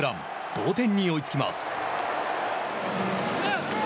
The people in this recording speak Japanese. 同点に追いつきます。